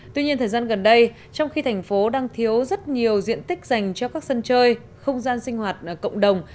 tuy nhiên thời gian gần đây trong khi thành phố đang thiếu rất nhiều diện tích dành cho các sân chơi không gian sinh hoạt cộng đồng